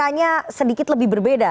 angkanya sedikit lebih berbeda